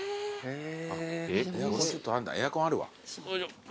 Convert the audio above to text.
エアコンあるわ。